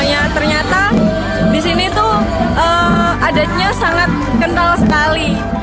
karena ternyata di sini tuh adatnya sangat kental sekali